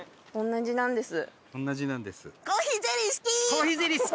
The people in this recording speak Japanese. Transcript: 同じなんです。